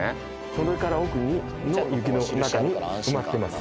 それから奥の雪の中に埋まってます